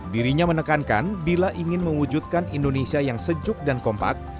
dirinya menekankan bila ingin mewujudkan indonesia yang sejuk dan kompak